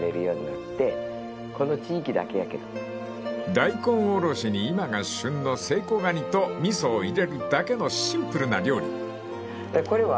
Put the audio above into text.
［大根おろしに今が旬のセイコガニと味噌を入れるだけのシンプルな料理］